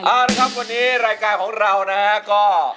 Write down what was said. เอาละครับวันนี้รายการของเรานะฮะก็